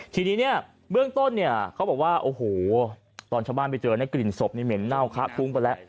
ทีนี้เนี่ยเบื้องต้นเนี่ยเขาบอกว่าโอ้โหตอนชาวบ้านไปเจอในกลิ่นศพนี่เหม็นเน่าคะคุ้งไปแล้ว